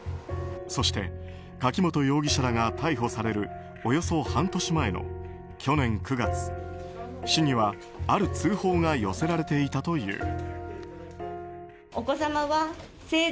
そして、柿本容疑者らが逮捕されるおよそ半年前の去年９月、市にはある通報が寄せられていたという。